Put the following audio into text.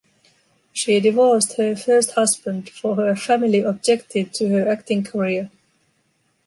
She divorced her first husband for her family objected to her acting career.